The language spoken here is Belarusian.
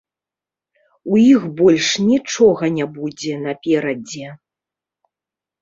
У іх больш нічога не будзе наперадзе.